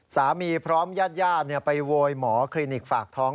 พร้อมญาติไปโวยหมอคลินิกฝากท้อง